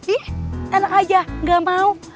ih enak aja gak mau